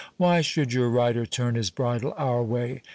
—'Why should your rider turn his bridle our way?